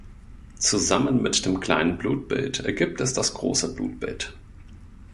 Zusammen mit dem „kleinen Blutbild“ ergibt es das „große Blutbild“.